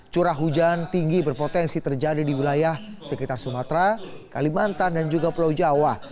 curah hujan tinggi berpotensi terjadi di wilayah sekitar sumatera kalimantan dan juga pulau jawa